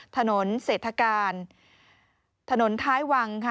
ถนนเศรษฐการถนนท้ายวังค่ะ